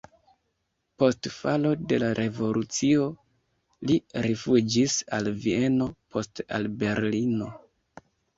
Post falo de la revolucio li rifuĝis al Vieno, poste al Berlino.